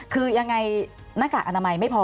คือยังไงหน้ากากอนามัยไม่พอ